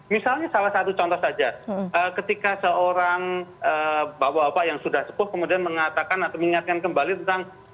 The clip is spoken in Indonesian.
misalnya salah satu contoh saja ketika seorang bapak bapak yang sudah sepuh kemudian mengatakan atau mengingatkan kembali tentang